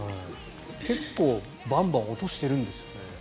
結構バンバン音してるんですよね。